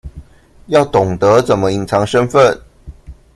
要懂得怎麼隱藏身份